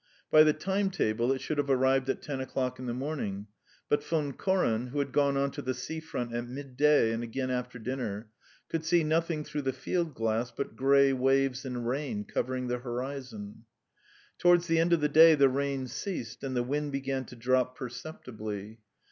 By the time table it should have arrived at ten o'clock in the morning, but Von Koren, who had gone on to the sea front at midday and again after dinner, could see nothing through the field glass but grey waves and rain covering the horizon. Towards the end of the day the rain ceased and the wind began to drop perceptibly.